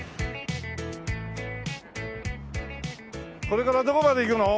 これからどこまで行くの？